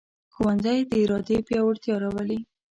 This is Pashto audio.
ښوونځی د ارادې پیاوړتیا راولي